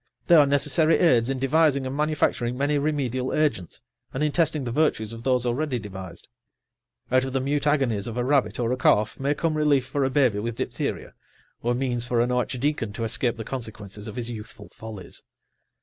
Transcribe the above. They are necessary aids in devising and manufacturing many remedial agents, and in testing the virtues of those already devised; out of the mute agonies of a rabbit or a calf may come relief for a baby with diphtheria, or means for an archdeacon to escape the consequences of his youthful follies.